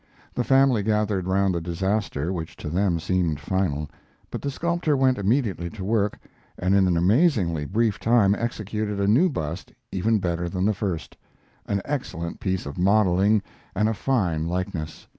The family gathered round the disaster, which to them seemed final, but the sculptor went immediately to work, and in an amazingly brief time executed a new bust even better than the first, an excellent piece of modeling and a fine likeness.